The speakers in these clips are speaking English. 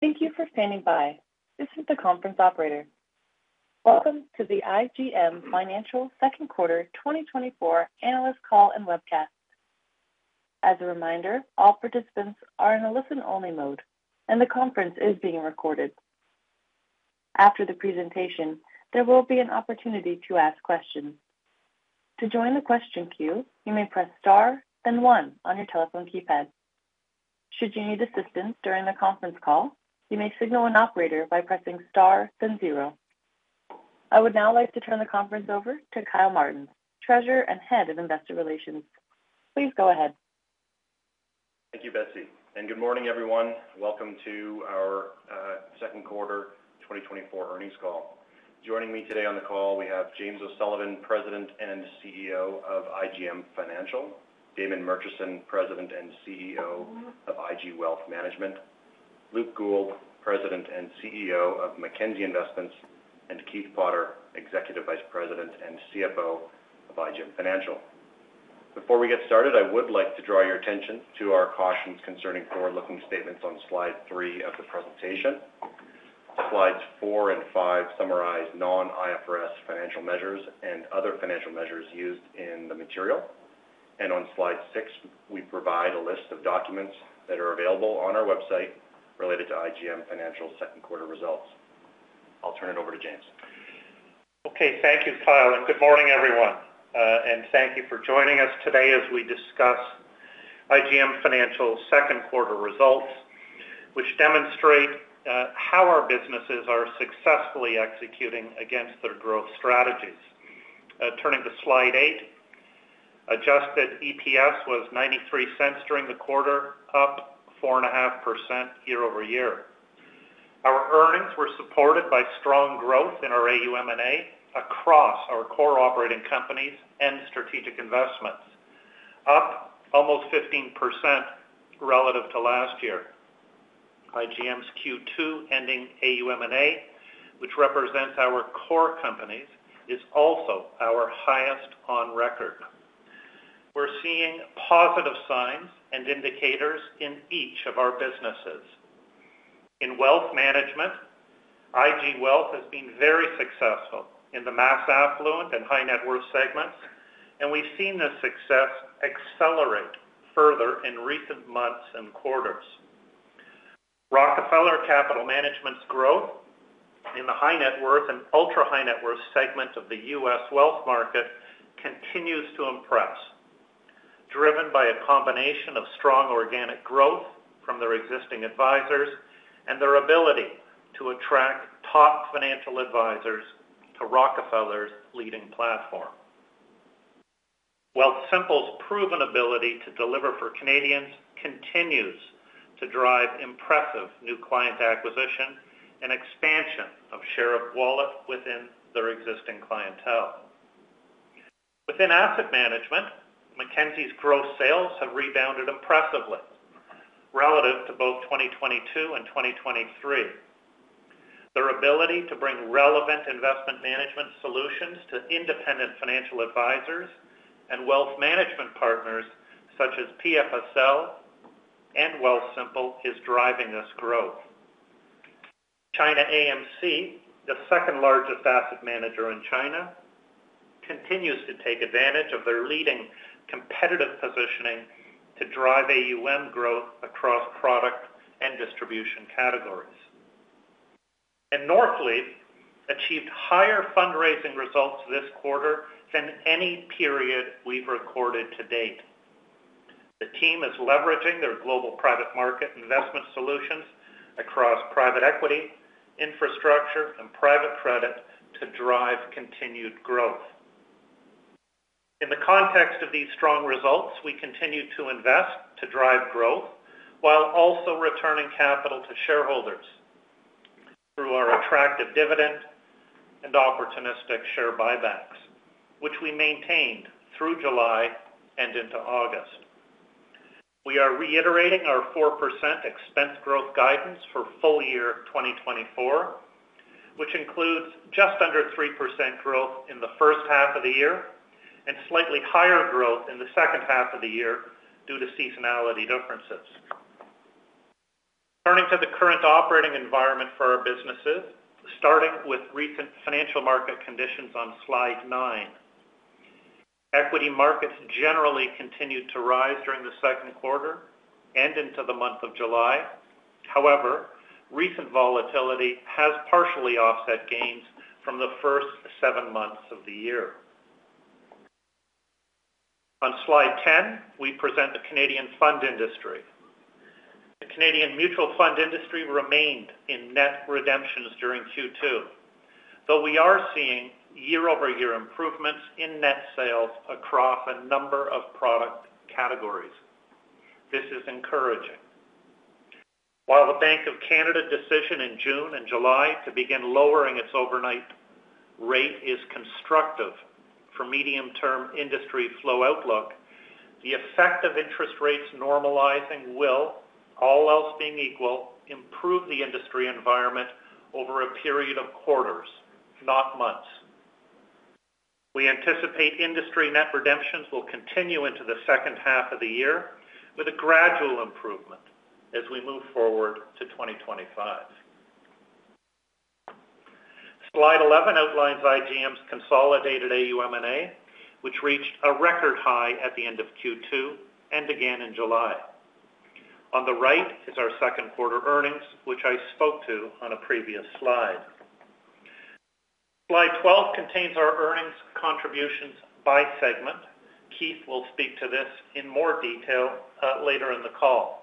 Thank you for standing by. This is the conference operator. Welcome to the IGM Financial Second Quarter 2024 Analyst Call and Webcast. As a reminder, all participants are in a listen-only mode, and the conference is being recorded. After the presentation, there will be an opportunity to ask questions. To join the question queue, you may press Star, then one on your telephone keypad. Should you need assistance during the conference call, you may signal an operator by pressing Star, then zero. I would now like to turn the conference over to Kyle Martens, Treasurer and Head of Investor Relations. Please go ahead. Thank you, Betsy, and good morning, everyone. Welcome to our second quarter 2024 earnings call. Joining me today on the call, we have James O'Sullivan, President and CEO of IGM Financial, Damon Murchison, President and CEO of IG Wealth Management, Luke Gould, President and CEO of Mackenzie Investments, and Keith Potter, Executive Vice President and CFO of IGM Financial. Before we get started, I would like to draw your attention to our cautions concerning forward-looking statements on slide 3 of the presentation. Slides 4 and 5 summarize non-IFRS financial measures and other financial measures used in the material. On slide 6, we provide a list of documents that are available on our website related to IGM Financial's second quarter results. I'll turn it over to James. Okay. Thank you, Kyle, and good morning, everyone. Thank you for joining us today as we discuss IGM Financial's second quarter results, which demonstrate how our businesses are successfully executing against their growth strategies. Turning to Slide 8, adjusted EPS was 0.93 during the quarter, up 4.5% year-over-year. Our earnings were supported by strong growth in our AUM and AUA across our core operating companies and strategic investments, up almost 15% relative to last year. IGM's Q2 ending AUM and AUA, which represents our core companies, is also our highest on record. We're seeing positive signs and indicators in each of our businesses. In wealth management, IG Wealth has been very successful in the mass affluent and high net worth segments, and we've seen this success accelerate further in recent months and quarters. Rockefeller Capital Management's growth in the high net worth and ultra-high net worth segment of the U.S. wealth market continues to impress, driven by a combination of strong organic growth from their existing advisors and their ability to attract top financial advisors to Rockefeller's leading platform. Wealthsimple's proven ability to deliver for Canadians continues to drive impressive new client acquisition and expansion of share of wallet within their existing clientele. Within asset management, Mackenzie's gross sales have rebounded impressively relative to both 2022 and 2023. Their ability to bring relevant investment management solutions to independent financial advisors and wealth management partners, such as PFSL and Wealthsimple, is driving this growth. ChinaAMC, the second-largest asset manager in China, continues to take advantage of their leading competitive positioning to drive AUM growth across product and distribution categories. Northleaf achieved higher fundraising results this quarter than any period we've recorded to date. The team is leveraging their global private market investment solutions across private equity, infrastructure, and private credit to drive continued growth. In the context of these strong results, we continue to invest to drive growth, while also returning capital to shareholders through our attractive dividend and opportunistic share buybacks, which we maintained through July and into August. We are reiterating our 4% expense growth guidance for full year 2024, which includes just under 3% growth in the first half of the year and slightly higher growth in the second half of the year due to seasonality differences. Turning to the current operating environment for our businesses, starting with recent financial market conditions on Slide 9. Equity markets generally continued to rise during the second quarter and into the month of July. However, recent volatility has partially offset gains from the first seven months of the year. On Slide 10, we present the Canadian fund industry. The Canadian mutual fund industry remained in net redemptions during Q2, but we are seeing year-over-year improvements in net sales across a number of product categories. This is encouraging. While the Bank of Canada decision in June and July to begin lowering its overnight rate is constructive for medium-term industry flow outlook, the effect of interest rates normalizing will, all else being equal, improve the industry environment over a period of quarters, not months. We anticipate industry net redemptions will continue into the second half of the year, with a gradual improvement as we move forward to 2025. Slide 11 outlines IGM's consolidated AUM and AUA, which reached a record high at the end of Q2 and began in July. On the right is our second quarter earnings, which I spoke to on a previous slide. Slide 12 contains our earnings contributions by segment. Keith will speak to this in more detail later in the call.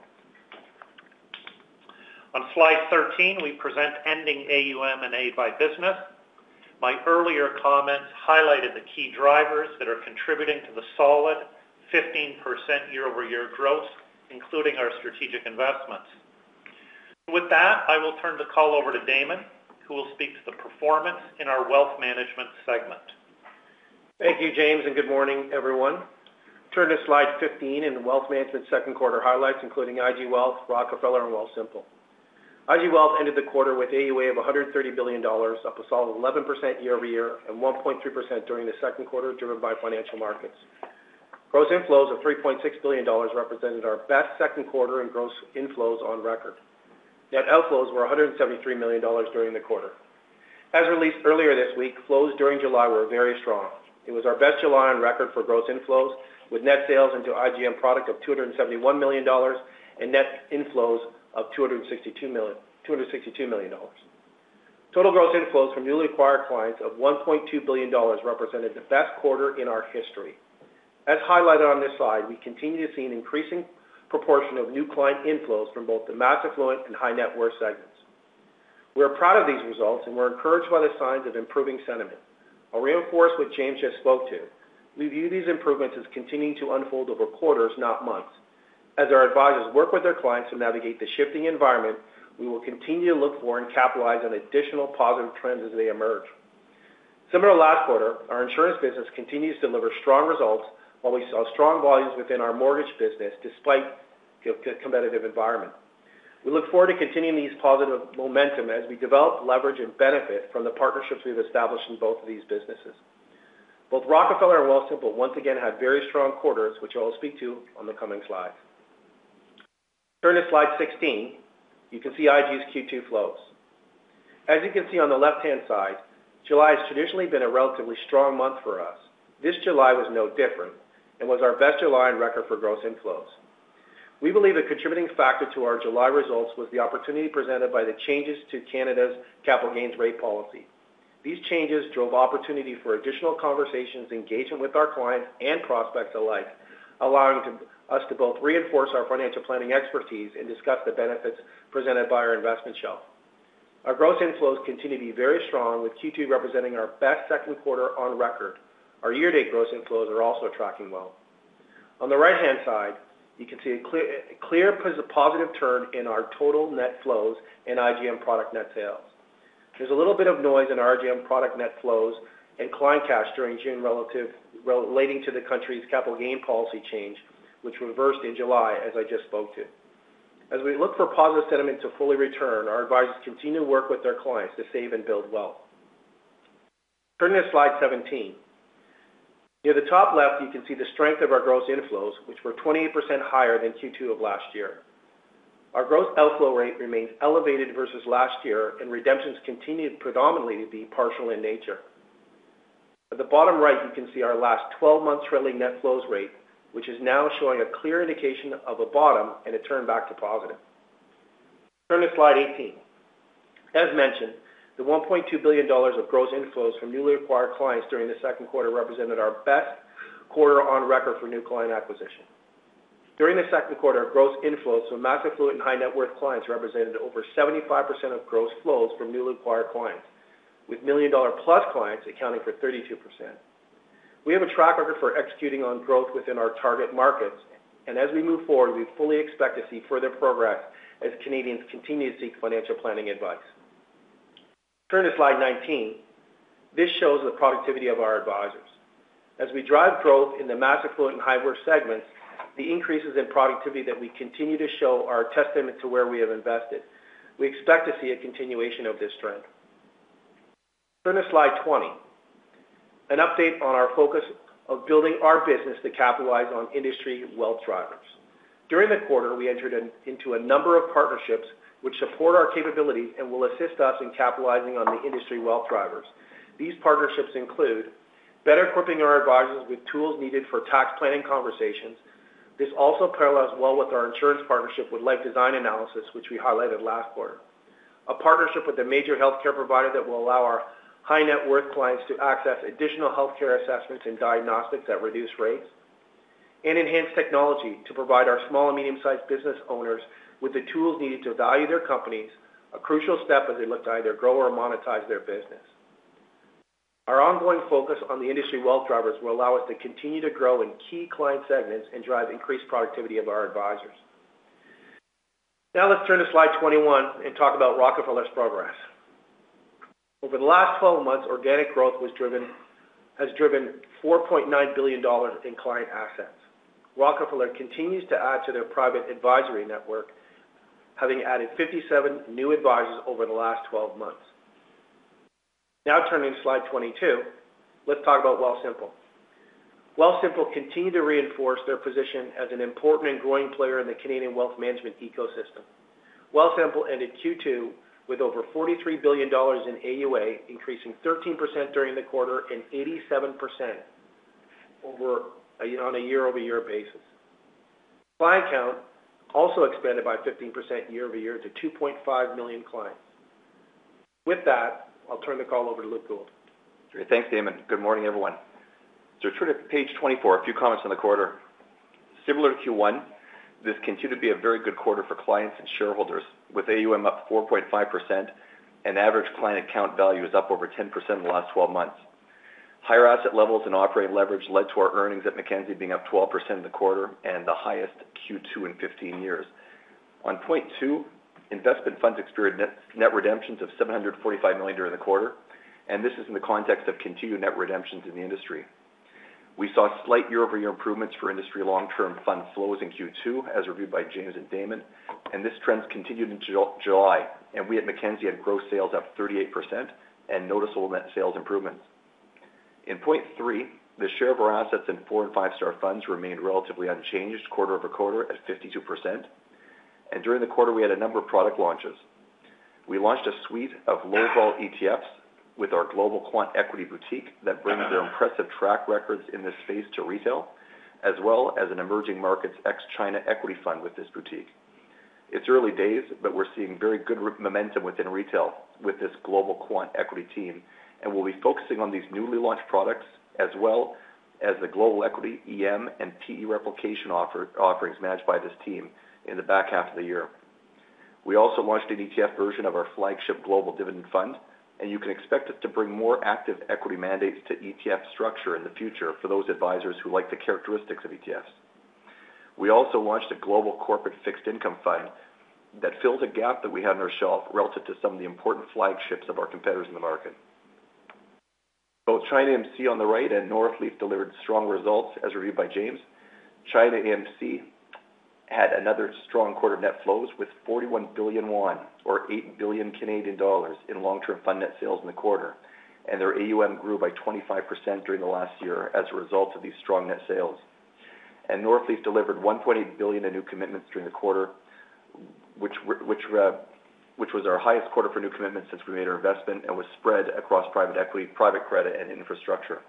On slide 13, we present ending AUM and AUA by business. My earlier comments highlighted the key drivers that are contributing to the solid 15% year-over-year growth, including our strategic investments. With that, I will turn the call over to Damon, who will speak to the performance in our wealth management segment. Thank you, James, and good morning, everyone. Turn to slide 15 in the wealth management second quarter highlights, including IG Wealth, Rockefeller, and Wealthsimple. IG Wealth ended the quarter with AUA of 130 billion dollars, up a solid 11% year-over-year and 1.3% during the second quarter, driven by financial markets. Gross inflows of 3.6 billion dollars represented our best second quarter in gross inflows on record. Net outflows were 173 million dollars during the quarter. As released earlier this week, flows during July were very strong. It was our best July on record for gross inflows, with net sales into IGM product of 271 million dollars and net inflows of 262 million dollars-- CAD 262 million. Total gross inflows from newly acquired clients of $1.2 billion represented the best quarter in our history. As highlighted on this slide, we continue to see an increasing proportion of new client inflows from both the mass affluent and high-net-worth segments. We are proud of these results, and we're encouraged by the signs of improving sentiment. I'll reinforce what James just spoke to. We view these improvements as continuing to unfold over quarters, not months. As our advisors work with their clients to navigate the shifting environment, we will continue to look for and capitalize on additional positive trends as they emerge. Similar to last quarter, our insurance business continues to deliver strong results, while we saw strong volumes within our mortgage business despite the competitive environment. We look forward to continuing these positive momentum as we develop, leverage, and benefit from the partnerships we've established in both of these businesses. Both Rockefeller and Wealthsimple once again had very strong quarters, which I will speak to on the coming slides. Turn to slide 16. You can see IG's Q2 flows. As you can see on the left-hand side, July has traditionally been a relatively strong month for us. This July was no different and was our best July on record for gross inflows. We believe a contributing factor to our July results was the opportunity presented by the changes to Canada's capital gains rate policy. These changes drove opportunity for additional conversations, engagement with our clients and prospects alike, allowing us to both reinforce our financial planning expertise and discuss the benefits presented by our investment shell. Our gross inflows continue to be very strong, with Q2 representing our best second quarter on record. Our year-to-date gross inflows are also tracking well. On the right-hand side, you can see a clear, clear positive turn in our total net flows and IGM product net sales. There's a little bit of noise in our IGM product net flows and client cash during June, relating to the country's capital gain policy change, which reversed in July, as I just spoke to. As we look for positive sentiment to fully return, our advisors continue to work with their clients to save and build wealth. Turning to slide 17. Near the top left, you can see the strength of our gross inflows, which were 28% higher than Q2 of last year. Our gross outflow rate remains elevated versus last year, and redemptions continued predominantly to be partial in nature. At the bottom right, you can see our last 12 months trailing net flows rate, which is now showing a clear indication of a bottom and a turn back to positive. Turn to slide 18. As mentioned, the 1.2 billion dollars of gross inflows from newly acquired clients during the second quarter represented our best quarter on record for new client acquisition. During the second quarter, gross inflows from mass affluent and high-net-worth clients represented over 75% of gross flows from newly acquired clients, with million-dollar-plus clients accounting for 32%. We have a track record for executing on growth within our target markets, and as we move forward, we fully expect to see further progress as Canadians continue to seek financial planning advice. Turn to slide 19. This shows the productivity of our advisors. As we drive growth in the mass affluent and high worth segments, the increases in productivity that we continue to show are a testament to where we have invested. We expect to see a continuation of this trend. Turn to slide 20, an update on our focus of building our business to capitalize on industry wealth drivers. During the quarter, we entered into a number of partnerships, which support our capability and will assist us in capitalizing on the industry wealth drivers. These partnerships include better equipping our advisors with tools needed for tax planning conversations. This also parallels well with our insurance partnership with Life Design Analysis, which we highlighted last quarter. A partnership with a major healthcare provider that will allow our high-net-worth clients to access additional healthcare assessments and diagnostics at reduced rates, and enhance technology to provide our small and medium-sized business owners with the tools needed to value their companies, a crucial step as they look to either grow or monetize their business. Our ongoing focus on the industry wealth drivers will allow us to continue to grow in key client segments and drive increased productivity of our advisors. Now, let's turn to slide 21 and talk about Rockefeller's progress. Over the last 12 months, organic growth has driven $4.9 billion in client assets. Rockefeller continues to add to their private advisory network, having added 57 new advisors over the last 12 months. Now turning to slide 22, let's talk about Wealthsimple. Wealthsimple continued to reinforce their position as an important and growing player in the Canadian wealth management ecosystem. Wealthsimple ended Q2 with over 43 billion dollars in AUA, increasing 13% during the quarter and 87% over, on a year-over-year basis. Client count also expanded by 15% year-over-year to 2.5 million clients. With that, I'll turn the call over to Luke Gould. Great. Thanks, Damon. Good morning, everyone. So turn to page 24, a few comments on the quarter. Similar to Q1, this continued to be a very good quarter for clients and shareholders, with AUM up 4.5% and average client account value is up over 10% in the last 12 months. Higher asset levels and operating leverage led to our earnings at Mackenzie being up 12% in the quarter and the highest Q2 in 15 years. On point two, investment funds experienced net, net redemptions of 745 million during the quarter, and this is in the context of continued net redemptions in the industry. We saw slight year-over-year improvements for industry long-term fund flows in Q2, as reviewed by James and Damon, and this trend continued into July, and we at Mackenzie had gross sales up 38% and noticeable net sales improvements. In point 3, the share of our assets in four- and five-star funds remained relatively unchanged quarter-over-quarter at 52%, and during the quarter, we had a number of product launches. We launched a suite of low-vol ETFs with our global quant equity boutique that brings their impressive track records in this space to retail, as well as an emerging markets ex-China equity fund with this boutique. It's early days, but we're seeing very good momentum within retail with this global quant equity team, and we'll be focusing on these newly launched products, as well as the global equity, EM, and PE replication offerings managed by this team in the back half of the year. We also launched an ETF version of our flagship global dividend fund, and you can expect us to bring more active equity mandates to ETF structure in the future for those advisors who like the characteristics of ETFs. We also launched a global corporate fixed income fund that fills a gap that we had on our shelf relative to some of the important flagships of our competitors in the market. Both ChinaAMC on the right and Northleaf delivered strong results, as reviewed by James. ChinaAMC had another strong quarter net flows, with RMB 41 billion, or 8 billion Canadian dollars, in long-term fund net sales in the quarter, and their AUM grew by 25% during the last year as a result of these strong net sales. Northleaf delivered 1.8 billion in new commitments during the quarter, which was our highest quarter for new commitments since we made our investment and was spread across private equity, private credit, and infrastructure.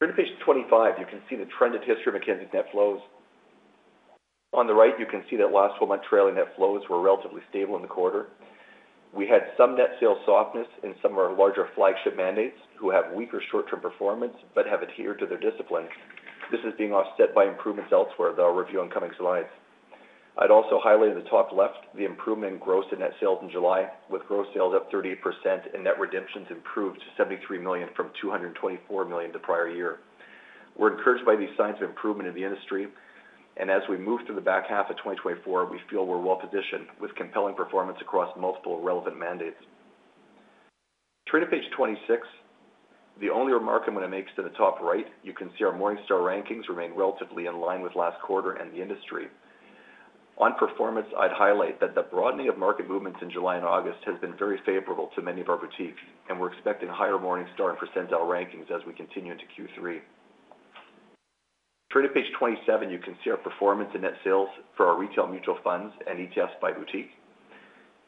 Turning to page 25, you can see the trended history of Mackenzie's net flows. On the right, you can see that last 12-month trailing net flows were relatively stable in the quarter. We had some net sales softness in some of our larger flagship mandates, who have weaker short-term performance but have adhered to their discipline. This is being offset by improvements elsewhere that I'll review on coming slides. I'd also highlight in the top left the improvement in gross and net sales in July, with gross sales up 38% and net redemptions improved to 73 million from 224 million the prior year. We're encouraged by these signs of improvement in the industry, and as we move through the back half of 2024, we feel we're well positioned with compelling performance across multiple relevant mandates. Turning to page 26, the only remark I'm going to make is to the top right. You can see our Morningstar rankings remain relatively in line with last quarter and the industry. On performance, I'd highlight that the broadening of market movements in July and August has been very favorable to many of our boutiques, and we're expecting higher Morningstar and percentile rankings as we continue into Q3. Turning to page 27, you can see our performance in net sales for our retail mutual funds and ETFs by boutique.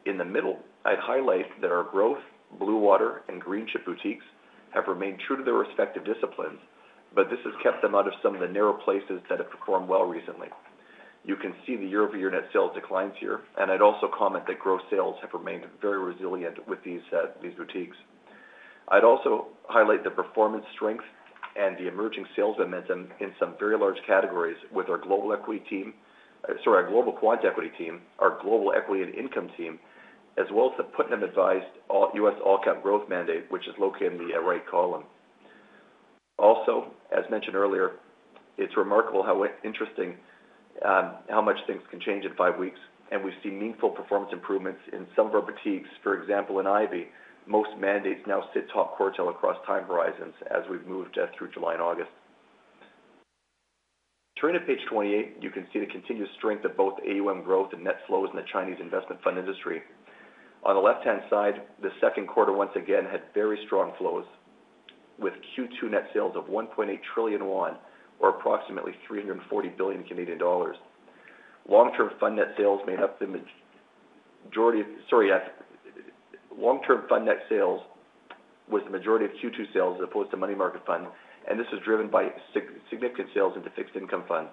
In the middle, I'd highlight that our growth, Bluewater, and Greenchip boutiques have remained true to their respective disciplines, but this has kept them out of some of the narrow places that have performed well recently. You can see the year-over-year net sales declines here, and I'd also comment that gross sales have remained very resilient with these, these boutiques. I'd also highlight the performance strength and the emerging sales momentum in some very large categories with our global equity team... Sorry, our global quant equity team, our global equity and income team, as well as the Putnam-advised all-US all-cap growth mandate, which is located in the right column. Also, as mentioned earlier, it's remarkable how interesting how much things can change in five weeks, and we've seen meaningful performance improvements in some of our boutiques. For example, in Ivy, most mandates now sit top quartile across time horizons as we've moved through July and August. Turning to page 28, you can see the continuous strength of both AUM growth and net flows in the Chinese investment fund industry. On the left-hand side, the second quarter once again had very strong flows, with Q2 net sales of RMB 1.8 trillion, or approximately 340 billion Canadian dollars. Long-term fund net sales made up the majority... Long-term fund net sales was the majority of Q2 sales, as opposed to money market funds, and this is driven by significant sales into fixed income funds.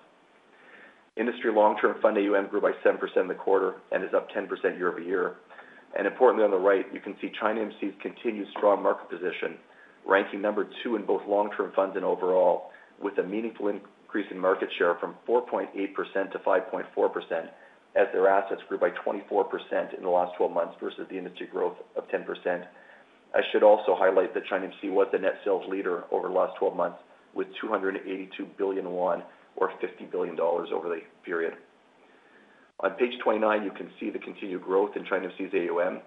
Industry long-term fund AUM grew by 7% in the quarter and is up 10% year-over-year. And importantly, on the right, you can see China AMC's continued strong market position, ranking number two in both long-term funds and overall, with a meaningful increase in market share from 4.8% to 5.4%, as their assets grew by 24% in the last twelve months versus the industry growth of 10%. I should also highlight that China AMC was the net sales leader over the last twelve months, with RMB 282 billion, or $50 billion over the period. On page 29, you can see the continued growth in China AMC's AUM,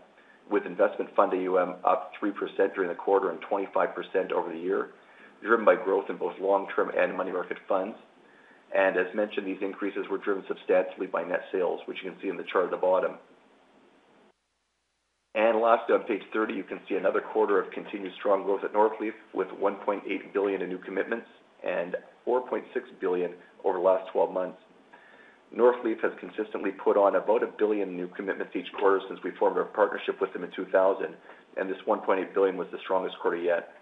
with investment fund AUM up 3% during the quarter and 25% over the year, driven by growth in both long-term and money market funds. As mentioned, these increases were driven substantially by net sales, which you can see in the chart at the bottom. Lastly, on page 30, you can see another quarter of continued strong growth at Northleaf, with 1.8 billion in new commitments and 4.6 billion over the last 12 months. Northleaf has consistently put on about 1 billion new commitments each quarter since we formed our partnership with them in 2000, and this 1.8 billion was the strongest quarter yet.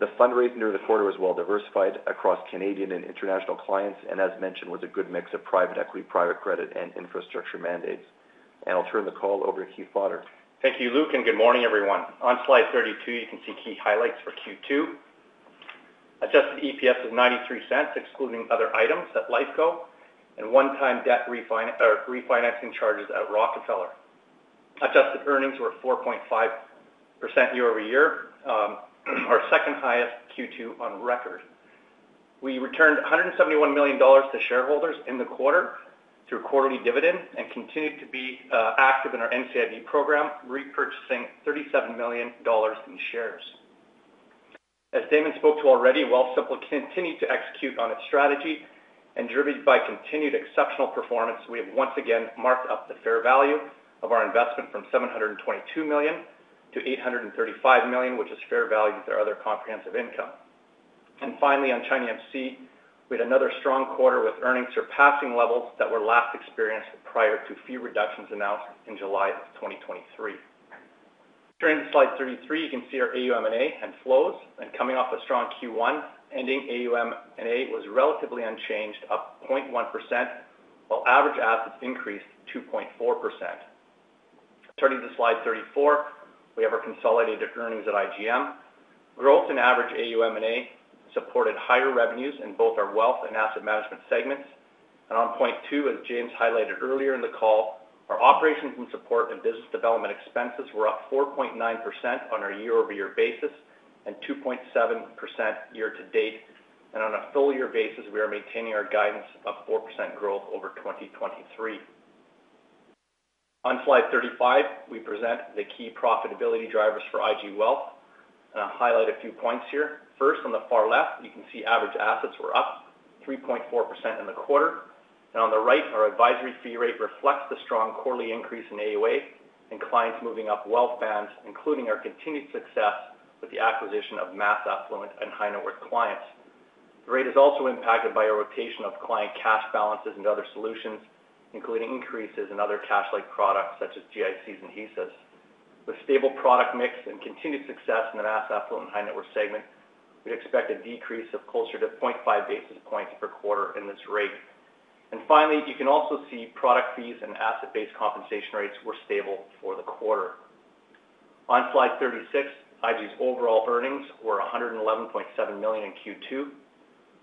The fundraising during the quarter was well-diversified across Canadian and international clients, and as mentioned, was a good mix of private equity, private credit, and infrastructure mandates. I'll turn the call over to Keith Potter. Thank you, Luke, and good morning, everyone. On slide 32, you can see key highlights for Q2. Adjusted EPS of 0.93, excluding other items at Lifeco and one-time debt refinancing charges at Rockefeller. Adjusted earnings were 4.5% year-over-year, our second highest Q2 on record. We returned 171 million dollars to shareholders in the quarter through quarterly dividend and continued to be active in our NCIB program, repurchasing 37 million dollars in shares. As Damon spoke to already, Wealthsimple continued to execute on its strategy, and driven by continued exceptional performance, we have once again marked up the fair value of our investment from 722 million to 835 million, which is fair value to our other comprehensive income. And finally, on ChinaAMC, we had another strong quarter with earnings surpassing levels that were last experienced prior to fee reductions announced in July of 2023. Turning to slide 33, you can see our AUM&A and flows. And coming off a strong Q1, ending AUM&A was relatively unchanged, up 0.1%, while average assets increased 2.4%. Turning to slide 34, we have our consolidated earnings at IGM. Growth in average AUM&A supported higher revenues in both our wealth and asset management segments. And on point two, as James highlighted earlier in the call, our operations and support and business development expenses were up 4.9% on our year-over-year basis and 2.7% year-to-date. And on a full year basis, we are maintaining our guidance of 4% growth over 2023. On slide 35, we present the key profitability drivers for IG Wealth, and I'll highlight a few points here. First, on the far left, you can see average assets were up 3.4% in the quarter. On the right, our advisory fee rate reflects the strong quarterly increase in AUA and clients moving up wealth bands, including our continued success with the acquisition of mass affluent and high-net-worth clients. The rate is also impacted by a rotation of client cash balances and other solutions, including increases in other cash-like products such as GICs and HISAs. With stable product mix and continued success in the mass affluent and high-net-worth segment, we'd expect a decrease of closer to 0.5 basis points per quarter in this rate. Finally, you can also see product fees and asset-based compensation rates were stable for the quarter. On slide 36, IG's overall earnings were 111.7 million in Q2.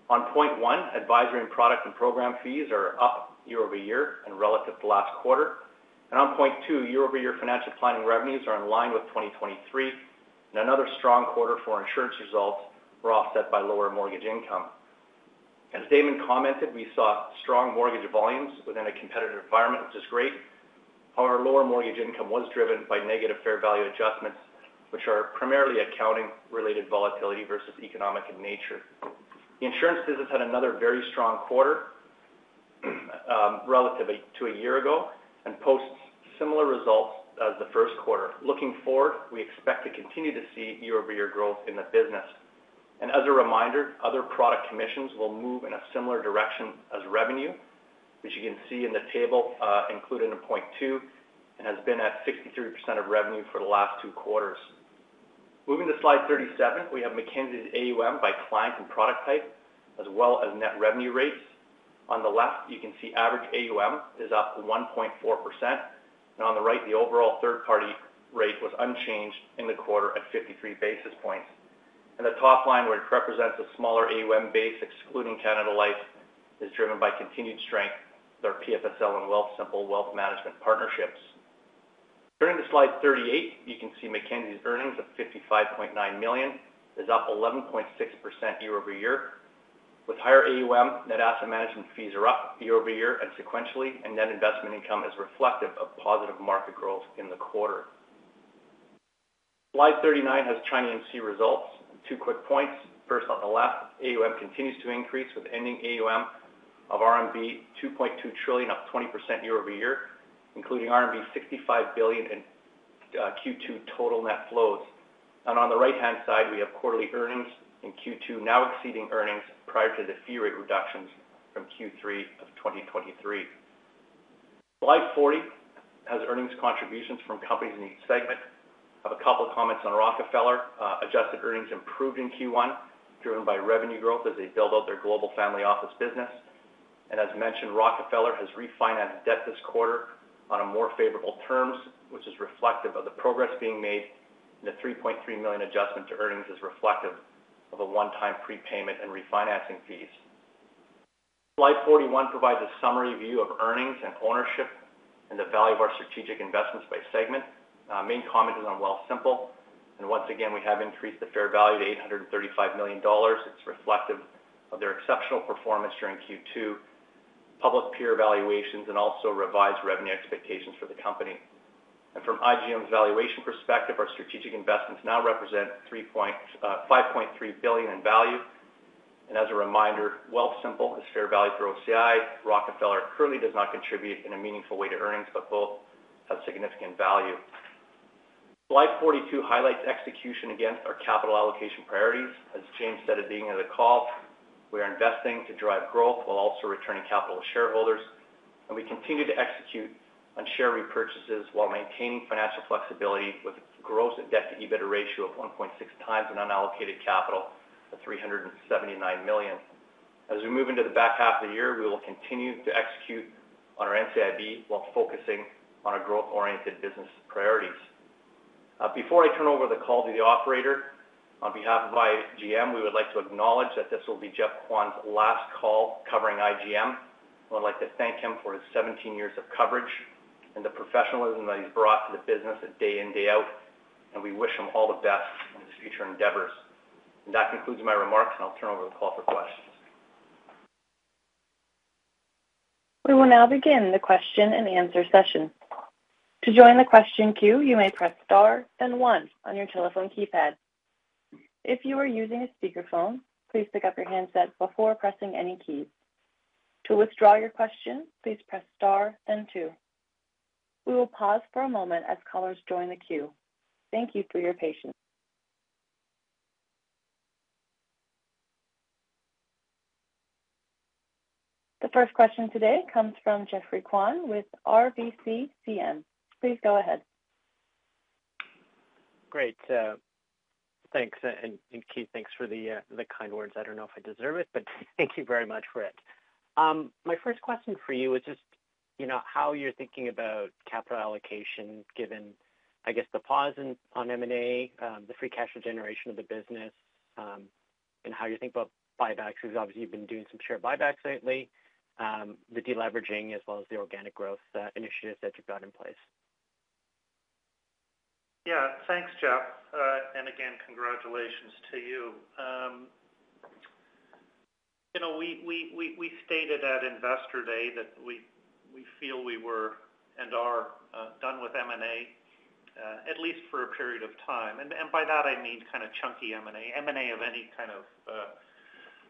On point 1, advisory and product and program fees are up year-over-year and relative to last quarter. And on point 2, year-over-year financial planning revenues are in line with 2023, and another strong quarter for insurance results were offset by lower mortgage income. As Damon commented, we saw strong mortgage volumes within a competitive environment, which is great. However, our lower mortgage income was driven by negative fair value adjustments, which are primarily accounting-related volatility versus economic in nature. The insurance business had another very strong quarter, relative to a year ago, and posts similar results as the first quarter. Looking forward, we expect to continue to see year-over-year growth in the business. As a reminder, other product commissions will move in a similar direction as revenue, which you can see in the table, included in point two, and has been at 63% of revenue for the last two quarters. Moving to slide 37, we have Mackenzie's AUM by client and product type, as well as net revenue rates. On the left, you can see average AUM is up 1.4%, and on the right, the overall third-party rate was unchanged in the quarter at 53 basis points. The top line, which represents a smaller AUM base, excluding Canada Life, is driven by continued strength with our PFSL and Wealthsimple wealth management partnerships. Turning to slide 38, you can see Mackenzie's earnings of 55.9 million is up 11.6% year-over-year. With higher AUM, net asset management fees are up year-over-year and sequentially, and net investment income is reflective of positive market growth in the quarter. Slide 39 has ChinaAMC results. Two quick points. First, on the left, AUM continues to increase, with ending AUM of RMB 2.2 trillion, up 20% year-over-year, including RMB 65 billion in Q2 total net flows. And on the right-hand side, we have quarterly earnings in Q2, now exceeding earnings prior to the fee rate reductions from Q3 of 2023. Slide 40 has earnings contributions from companies in each segment. I have a couple of comments on Rockefeller. Adjusted earnings improved in Q1, driven by revenue growth as they build out their global family office business. As mentioned, Rockefeller has refinanced debt this quarter on a more favorable terms, which is reflective of the progress being made, and the 3.3 million adjustment to earnings is reflective of a one-time prepayment and refinancing fees. Slide 41 provides a summary view of earnings and ownership and the value of our strategic investments by segment. Main comment is on Wealthsimple, and once again, we have increased the fair value to 835 million dollars. It's reflective of their exceptional performance during Q2, public peer evaluations, and also revised revenue expectations for the company. ... And from IGM's valuation perspective, our strategic investments now represent 3.53 billion in value. And as a reminder, Wealthsimple is fair value for OCI. Rockefeller currently does not contribute in a meaningful way to earnings, but both have significant value. Slide 42 highlights execution against our capital allocation priorities. As James said at the beginning of the call, we are investing to drive growth while also returning capital to shareholders, and we continue to execute on share repurchases while maintaining financial flexibility with gross debt to EBITDA ratio of 1.6 times and unallocated capital of 379 million. As we move into the back half of the year, we will continue to execute on our NCIB while focusing on our growth-oriented business priorities. Before I turn over the call to the operator, on behalf of IGM, we would like to acknowledge that this will be Jeff Kwan's last call covering IGM. I would like to thank him for his 17 years of coverage and the professionalism that he's brought to the business day in, day out, and we wish him all the best in his future endeavors. That concludes my remarks, and I'll turn over the call for questions. We will now begin the question-and-answer session. To join the question queue, you may press Star and One on your telephone keypad. If you are using a speakerphone, please pick up your handset before pressing any keys. To withdraw your question, please press Star and Two. We will pause for a moment as callers join the queue. Thank you for your patience. The first question today comes from Jeffrey Kwan with RBCCM. Please go ahead. Great, thanks. And, Keith, thanks for the kind words. I don't know if I deserve it, but thank you very much for it. My first question for you is just, you know, how you're thinking about capital allocation, given, I guess, the pause in on M&A, the free cash generation of the business, and how you think about buybacks, because obviously you've been doing some share buybacks lately, the deleveraging, as well as the organic growth initiatives that you've got in place. Yeah. Thanks, Jeff. And again, congratulations to you. You know, we stated at Investor Day that we feel we were, and are, done with M&A, at least for a period of time. And by that I mean kind of chunky M&A, M&A of any kind of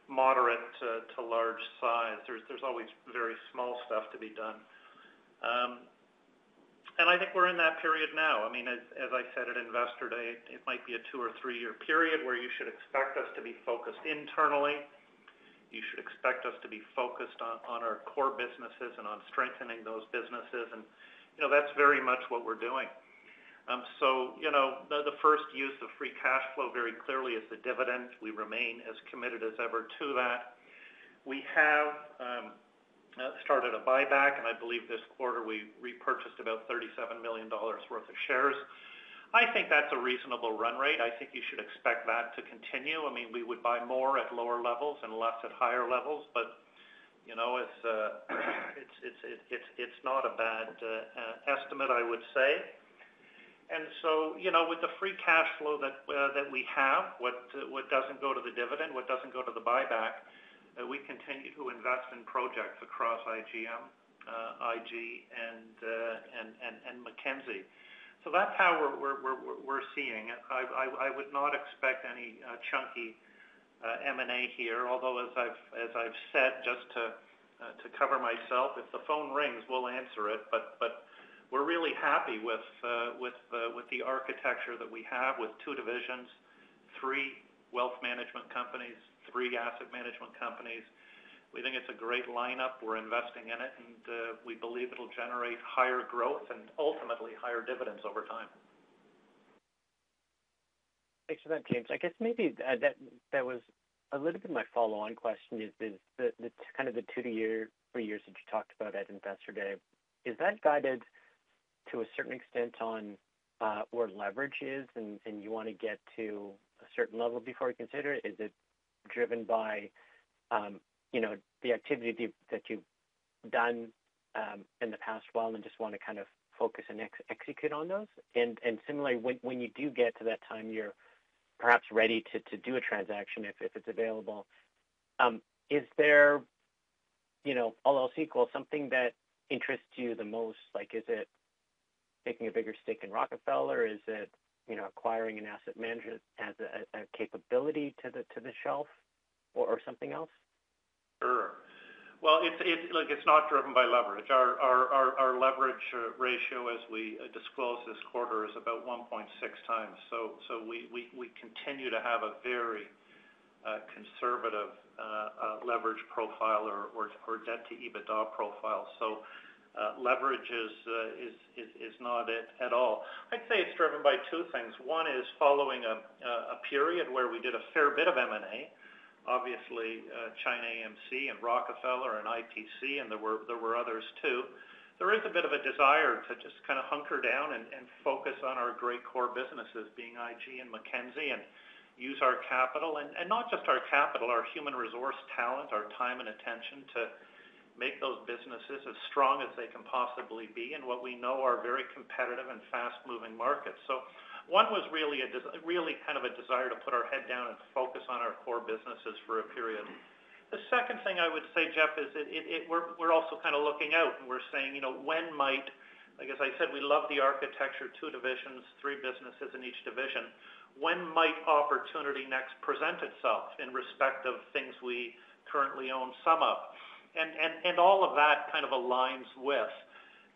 moderate to large size. There's always very small stuff to be done. And I think we're in that period now. I mean, as I said at Investor Day, it might be a 2- or 3-year period where you should expect us to be focused internally. You should expect us to be focused on our core businesses and on strengthening those businesses. And you know, that's very much what we're doing. So, you know, the first use of free cash flow very clearly is the dividend. We remain as committed as ever to that. We have started a buyback, and I believe this quarter we repurchased about 37 million dollars worth of shares. I think that's a reasonable run rate. I think you should expect that to continue. I mean, we would buy more at lower levels and less at higher levels, but, you know, it's not a bad estimate, I would say. So, you know, with the free cash flow that we have, what doesn't go to the dividend, what doesn't go to the buyback, we continue to invest in projects across IGM, IG and Mackenzie. So that's how we're seeing. I would not expect any chunky M&A here. Although, as I've said, just to cover myself, if the phone rings, we'll answer it. But we're really happy with the architecture that we have with two divisions, three wealth management companies, three asset management companies. We think it's a great lineup. We're investing in it, and we believe it'll generate higher growth and ultimately higher dividends over time. Thanks for that, James. I guess maybe that was a little bit of my follow-on question is, is the kind of the 2- to 3-year that you talked about at Investor Day, is that guided to a certain extent on where leverage is, and you want to get to a certain level before you consider it? Is it driven by, you know, the activity that you've done in the past while and just want to kind of focus and execute on those? And similarly, when you do get to that time, you're perhaps ready to do a transaction if it's available, is there, you know, all else equal, something that interests you the most? Like, is it taking a bigger stake in Rockefeller, or is it, you know, acquiring an asset manager as a capability to the shelf or something else? Sure. Well, it's -- look, it's not driven by leverage. Our leverage ratio as we disclose this quarter is about 1.6 times. So we continue to have a very conservative leverage profile or debt to EBITDA profile. So leverage is not it at all. I'd say it's driven by two things. One is following a period where we did a fair bit of M&A, obviously, ChinaAMC and Rockefeller and IPC, and there were others, too. There is a bit of a desire to just kind of hunker down and focus on our great core businesses, being IG and Mackenzie, and use our capital. Not just our capital, our human resource talent, our time and attention to make those businesses as strong as they can possibly be in what we know are very competitive and fast-moving markets. So one was really kind of a desire to put our head down and focus on our core businesses for a period. The second thing I would say, Jeff, is that we're also kind of looking out, and we're saying, you know, when might. Like, as I said, we love the architecture, two divisions, three businesses in each division. When might opportunity next present itself in respect of things we currently own some of? And all of that kind of aligns with,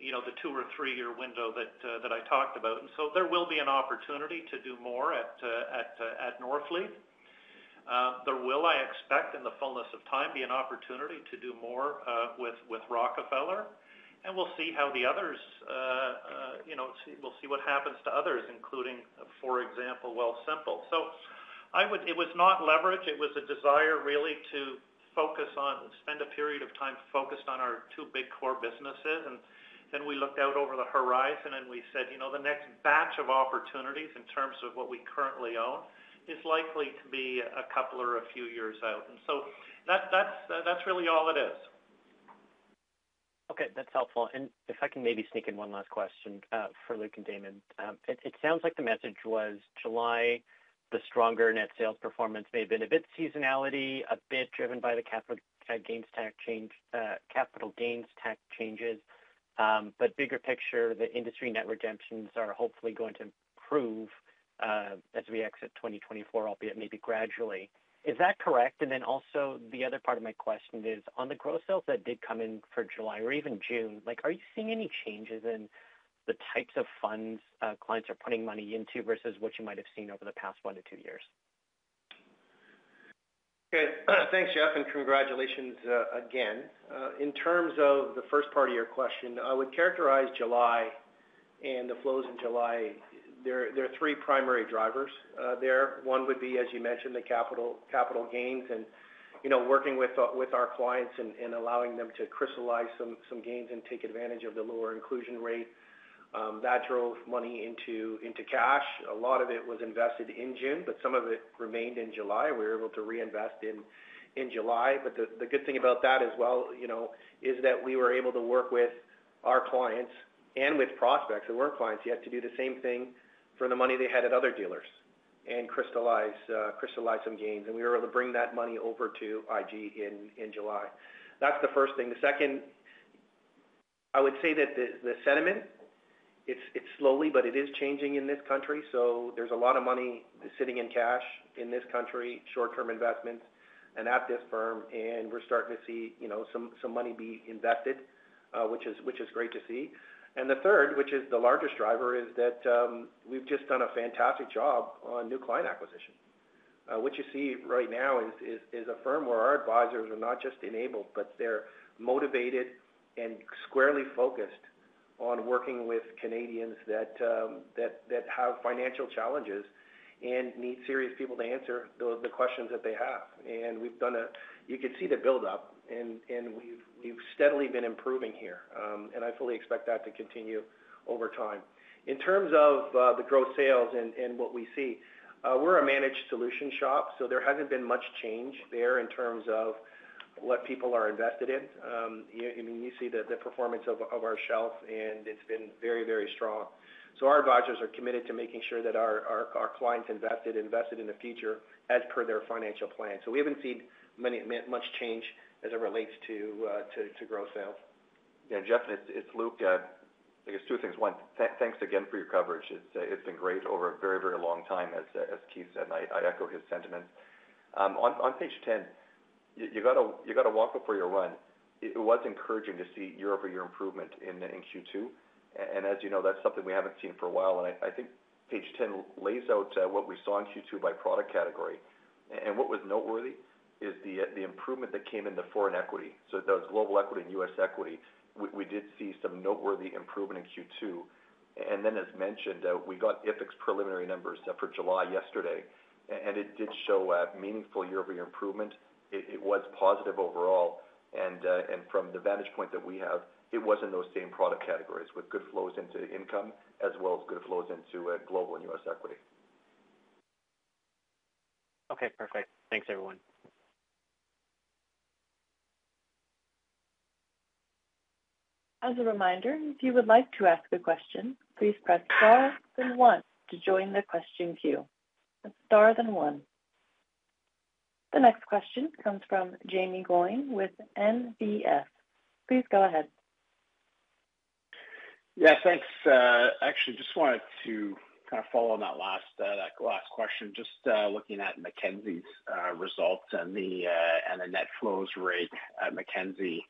you know, the two or three-year window that I talked about. And so there will be an opportunity to do more at Northleaf. There will, I expect, in the fullness of time, be an opportunity to do more with Rockefeller, and we'll see how the others, you know, we'll see what happens to others, including, for example, Wealthsimple. So I would—it was not leverage. It was a desire really, to focus on—spend a period of time focused on our two big core businesses. And then we looked out over the horizon, and we said, "You know, the next batch of opportunities in terms of what we currently own is likely to be a couple or a few years out." And so that's really all it is. Okay, that's helpful. And if I can maybe sneak in one last question for Luke and Damon. It sounds like the message was July, the stronger net sales performance may have been a bit seasonality, a bit driven by the capital gains tax change, capital gains tax changes. But bigger picture, the industry net redemptions are hopefully going to improve as we exit 2024, albeit maybe gradually. Is that correct? And then also, the other part of my question is, on the gross sales that did come in for July or even June, like, are you seeing any changes in the types of funds, clients are putting money into versus what you might have seen over the past 1-2 years? Okay, thanks, Jeff, and congratulations again. In terms of the first part of your question, I would characterize July and the flows in July. There are three primary drivers there. One would be, as you mentioned, the capital gains and, you know, working with our clients and allowing them to crystallize some gains and take advantage of the lower inclusion rate that drove money into cash. A lot of it was invested in June, but some of it remained in July. We were able to reinvest in July. But the good thing about that as well, you know, is that we were able to work with our clients and with prospects, who weren't clients yet, to do the same thing for the money they had at other dealers and crystallize some gains. We were able to bring that money over to IG in July. That's the first thing. The second, I would say that the sentiment, it's slowly, but it is changing in this country. So there's a lot of money sitting in cash in this country, short-term investments and at this firm, and we're starting to see, you know, some money be invested, which is great to see. And the third, which is the largest driver, is that we've just done a fantastic job on new client acquisition. What you see right now is a firm where our advisors are not just enabled, but they're motivated and squarely focused on working with Canadians that have financial challenges and need serious people to answer the questions that they have. And we've done a... You can see the buildup, and we've steadily been improving here. I fully expect that to continue over time. In terms of the growth sales and what we see, we're a managed solution shop, so there hasn't been much change there in terms of what people are invested in. And you see the performance of our shelf, and it's been very, very strong. So our advisors are committed to making sure that our clients invested in the future as per their financial plan. So we haven't seen many much change as it relates to growth sales. Yeah, Jeff, it's, it's Luke. I guess two things. One, thanks again for your coverage. It's, it's been great over a very, very long time, as, as Keith said, I echo his sentiment. On, on page ten, you got to walk before you run. It was encouraging to see year-over-year improvement in Q2. And as you know, that's something we haven't seen for a while, and I think page ten lays out what we saw in Q2 by product category. And what was noteworthy is the improvement that came in the foreign equity. So those global equity and US equity, we did see some noteworthy improvement in Q2. And then, as mentioned, we got the ETF's preliminary numbers for July yesterday, and it did show a meaningful year-over-year improvement. It, it was positive overall, and, and from the vantage point that we have, it was in those same product categories, with good flows into income as well as good flows into, global and U.S. equity. Okay, perfect. Thanks, everyone. As a reminder, if you would like to ask a question, please press Star, then one to join the question queue. That's Star, then one. The next question comes from Jamie Golombek with NBF. Please go ahead. Yeah, thanks. Actually, just wanted to kind of follow on that last, that last question. Just, looking at Mackenzie's results and the, and the net flows rate at Mackenzie.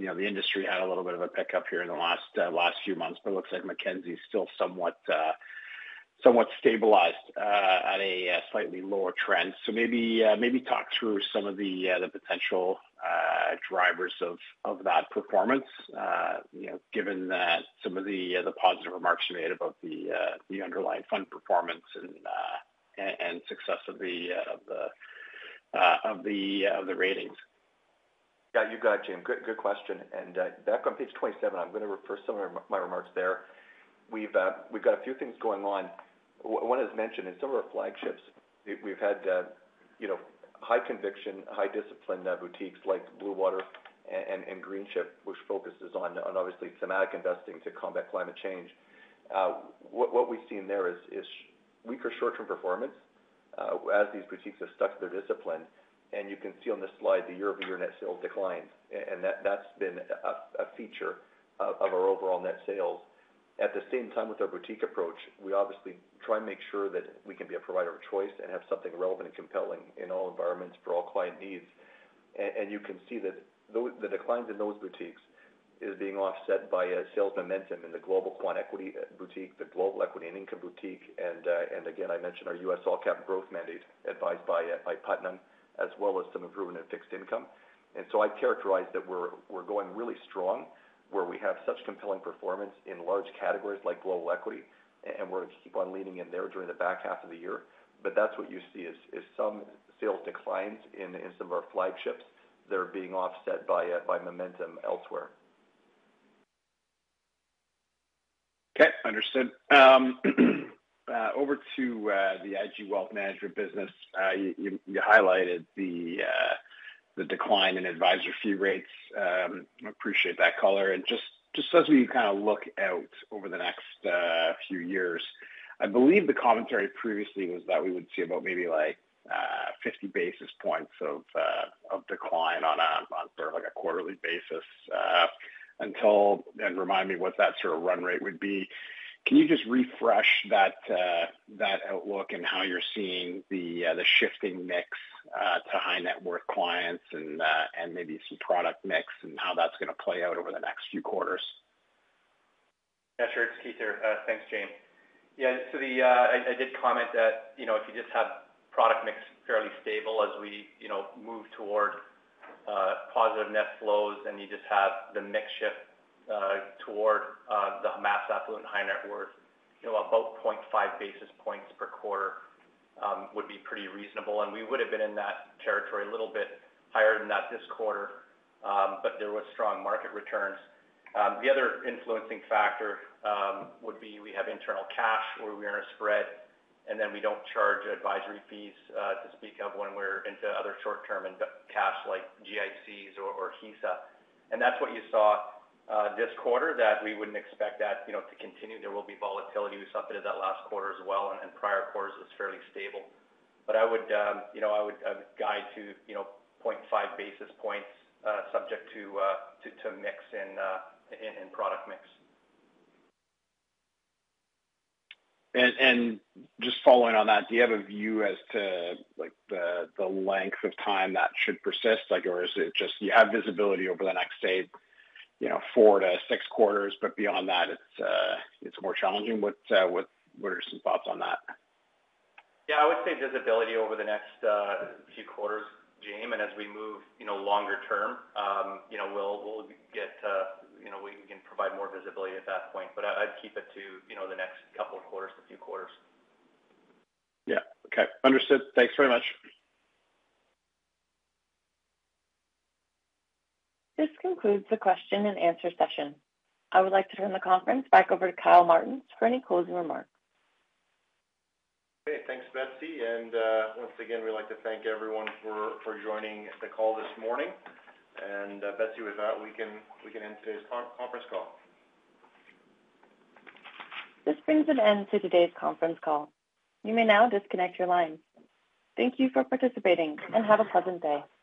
You know, the industry had a little bit of a pickup here in the last, last few months, but it looks like Mackenzie is still somewhat, somewhat stabilized, at a, slightly lower trend. So maybe, maybe talk through some of the, the potential, drivers of, of that performance. You know, given that some of the, the positive remarks you made about the, the underlying fund performance and, and, and success of the, of the, of the, of the ratings. Yeah, you got it, Jamie. Good, good question. And back on page 27, I'm going to refer some of my remarks there. We've got a few things going on. One is mentioned in some of our flagships. We've had, you know, high conviction, high discipline boutiques like Bluewater and Greenship, which focuses on obviously thematic investing to combat climate change. What we've seen there is weaker short-term performance as these boutiques have stuck to their discipline. And you can see on this slide, the year-over-year net sales declined, and that that's been a feature of our overall net sales. At the same time, with our boutique approach, we obviously try and make sure that we can be a provider of choice and have something relevant and compelling in all environments for all client needs. And you can see that the declines in those boutiques is being offset by a sales momentum in the global quant equity boutique, the global equity and income boutique, and again, I mentioned our US all cap growth mandate, advised by Putnam, as well as some improvement in fixed income. And so I'd characterize that we're going really strong, where we have such compelling performance in large categories like global equity, and we're going to keep on leaning in there during the back half of the year. But that's what you see, is some sales declines in some of our flagships that are being offset by momentum elsewhere. Okay, understood. Over to the IG Wealth Management business. You highlighted the decline in advisory fee rates. Appreciate that color. And just as we kind of look out over the next few years, I believe the commentary previously was that we would see about maybe like 50 basis points of decline on a sort of like a quarterly basis, until... Remind me what that sort of run rate would be. Can you just refresh that outlook and how you're seeing the shifting mix to high net worth clients and maybe some product mix, and how that's going to play out over the next few quarters? Yeah, sure. It's Keith here. Thanks, James. Yeah, so the, I did comment that, you know, if you just have product mix fairly stable as we, you know, move toward positive net flows, and you just have the mix shift toward the mass affluent high net worth, you know, about 0.5 basis points per quarter would be pretty reasonable. And we would have been in that territory a little bit higher than that this quarter, but there were strong market returns. The other influencing factor would be, we have internal cash where we are in a spread, and then we don't charge advisory fees to speak of when we're into other short-term and cash, like GICs or HISA. And that's what you saw this quarter, that we wouldn't expect that, you know, to continue. There will be volatility. We saw a bit of that last quarter as well, and in prior quarters, it's fairly stable. But I would, you know, guide to 0.5 basis points, subject to mix and product mix. And just following on that, do you have a view as to, like, the length of time that should persist? Like, or is it just you have visibility over the next 8, you know, 4-6 quarters, but beyond that, it's more challenging? What, what are some thoughts on that? Yeah, I would say visibility over the next few quarters, James. And as we move, you know, longer term, you know, we'll get, you know, we can provide more visibility at that point. But I, I'd keep it to, you know, the next couple of quarters, a few quarters. Yeah. Okay, understood. Thanks very much. This concludes the question and answer session. I would like to turn the conference back over to Kyle Martin for any closing remarks. Okay. Thanks, Betsy. And once again, we'd like to thank everyone for joining the call this morning. And Betsy, with that, we can end today's conference call. This brings an end to today's conference call. You may now disconnect your line. Thank you for participating, and have a pleasant day.